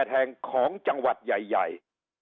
แห่งของจังหวัดใหญ่